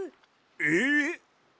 えっ！？